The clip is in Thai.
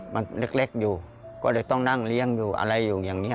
มันเล็กอยู่ก็เลยต้องนั่งเลี้ยงอยู่อะไรอยู่อย่างนี้